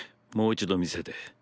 もう一度見せて。